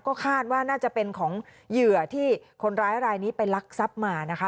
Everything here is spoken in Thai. ก็คาดว่าน่าจะเป็นของเหยื่อที่คนร้ายรายนี้ไปลักทรัพย์มานะคะ